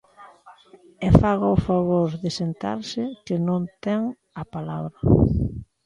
E faga o favor de sentarse, que non ten a palabra.